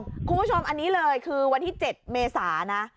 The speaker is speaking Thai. คุณผู้ชมอันนี้เลยคือวันที่๗เมษานะ